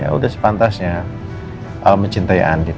ya udah sepantasnya al mencintai andin